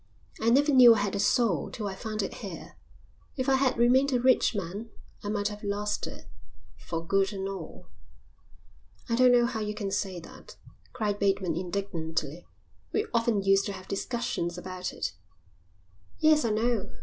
I never knew I had a soul till I found it here. If I had remained a rich man I might have lost it for good and all." "I don't know how you can say that," cried Bateman indignantly. "We often used to have discussions about it." "Yes, I know.